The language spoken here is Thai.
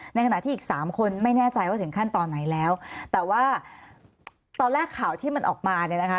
ในขณะที่อีกสามคนไม่แน่ใจว่าถึงขั้นตอนไหนแล้วแต่ว่าตอนแรกข่าวที่มันออกมาเนี่ยนะคะ